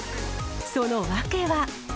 その訳は。